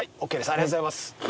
ありがとうございます。